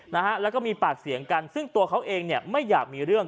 นะฮะแล้วก็มีปากเสียงกันซึ่งตัวเขาเองเนี่ยไม่อยากมีเรื่อง